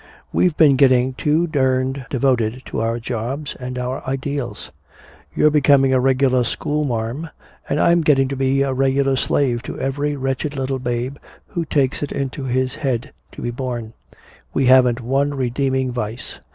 "We've been getting too durned devoted to our jobs and our ideals. You're becoming a regular school marm and I'm getting to be a regular slave to every wretched little babe who takes it into his head to be born. We haven't one redeeming vice."